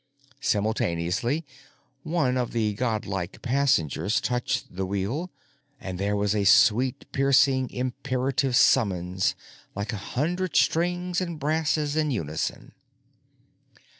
Simultaneously one of the godlike passengers touched the wheel, and there was a sweet, piercing, imperative summons like a hundred strings and brasses in unison.